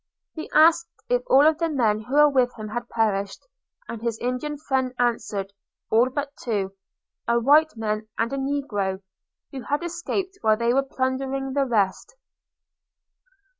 He asked if all the men who were with him had perished. His Indian friend answered, All but two – a white man and a negro – who had escaped while they were plundering the rest.